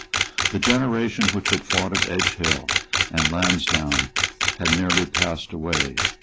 The generation which had fought at Edgehill and Lansdowne had nearly passed away.